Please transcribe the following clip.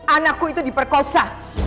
anakku itu diperkosa